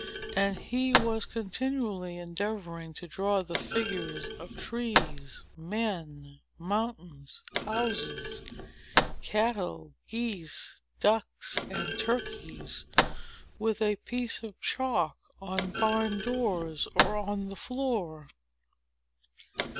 And he was continually endeavoring to draw the figures of trees, men, mountains, houses, cattle, geese, ducks, and turkeys, with a piece of chalk, on barn doors, or on the floor.